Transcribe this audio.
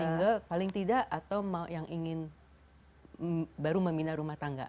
tinggal paling tidak atau yang ingin baru membina rumah tangga